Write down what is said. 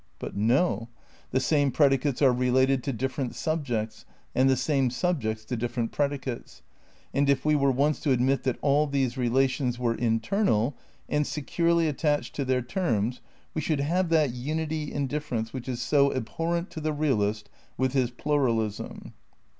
But no; the same predicates are related to different subjects and the same subjects to different predicates, and if we were once to admit that all these relations were internal and securely attached to their terms we should have that unity in difference which is so ab horrent to the realist with his pluralism.